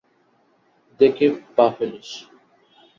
দেখে পা ফেলিস।